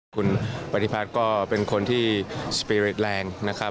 คุณปฏิพัฒน์ก็เป็นคนที่สเปเรตแรงนะครับ